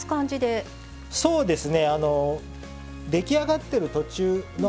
はいそうですね。